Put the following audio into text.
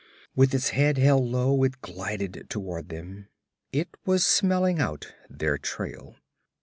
With its head held low it glided toward them. It was smelling out their trail.